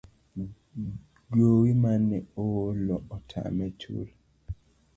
Gowi mane oolo otame chulo